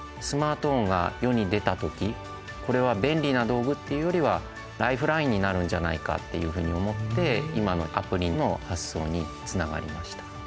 スマートフォンが世に出た時これは便利な道具っていうよりはライフラインになるんじゃないかっていうふうに思って今のアプリの発想につながりました。